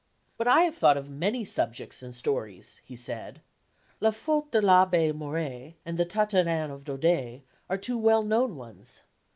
"But I have thought of many subjects and stories," he said. "La Faute de l'Abbé Mouret and the Tartarin of Daudet are two well known ones.